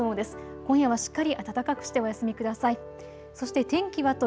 今夜はしっかり暖かくしてお休みください。